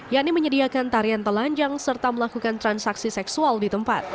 yakni menyediakan tarian telanjang serta melakukan transaksi seksual di tempat